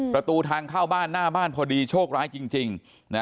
ประตูทางเข้าบ้านหน้าบ้านพอดีโชคร้ายจริง